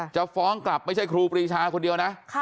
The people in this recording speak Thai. จะฟ้องกลับไม่ใช่ครูปรีชาคนเดียวนะ